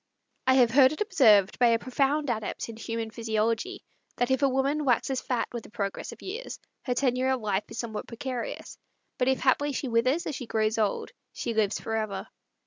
I have heard it observed by a profound adept in human physiology, that if a woman waxes fat with the progress of years, her tenure of life is somewhat precarious, but if haply she withers as she grows old, she lives forever.